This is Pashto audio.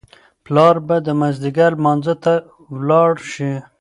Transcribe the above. پلار به د مازیګر لمانځه ته ولاړ شي.